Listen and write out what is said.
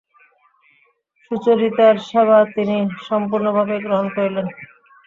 সুচরিতার সেবা তিনি সম্পূর্ণভাবেই গ্রহণ করিলেন।